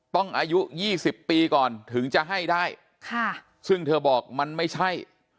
อายุ๒๐ปีก่อนถึงจะให้ได้ค่ะซึ่งเธอบอกมันไม่ใช่